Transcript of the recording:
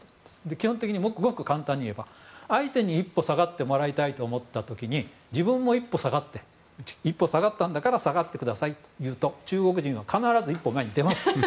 基本的にごくごく簡単にいえば相手に一歩下がってもらいたいと思った時に自分も一歩下がって一歩下がったんだから下がってくださいっていうと中国人は必ず一歩前に出ます。